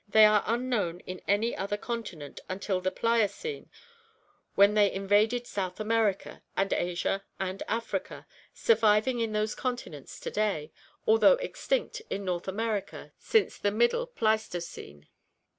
They are unknown in any other continent until the Pliocene, when they invaded South America and Asia and Africa, surviving in those continents to day, although extinct in North America since the Middle Pleistocene."